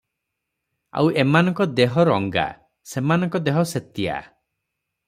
ଆଉ ଏମାନଙ୍କ ଦେହ ରଙ୍ଗା, ସେମାନଙ୍କ ଦେହ ଶେତିଆ ।"